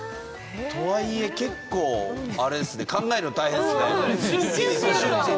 とはいえ結構考えるのが大変ですね。